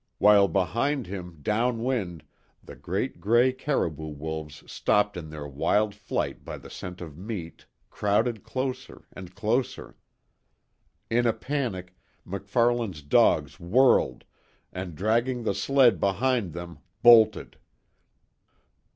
While behind him, down wind, the great grey caribou wolves, stopped in their wild flight by the scent of meat, crowded closer, and closer. In a panic, MacFarlane's dogs whirled, and dragging the sled behind them bolted.